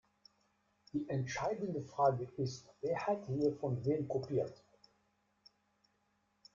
Die entscheidende Frage ist, wer hat hier von wem kopiert?